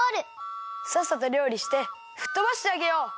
さっさとりょうりしてふっとばしてあげよう！